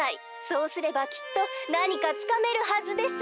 そうすればきっとなにかつかめるはずです！」。